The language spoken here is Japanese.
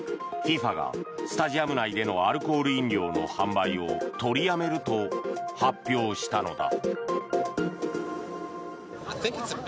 ＦＩＦＡがスタジアム内でのアルコール飲料の販売を取りやめると発表したのだ。